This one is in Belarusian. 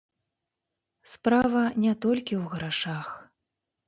Справа не толькі ў грашах.